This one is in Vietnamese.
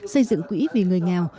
xây dựng quỹ vì người nghèo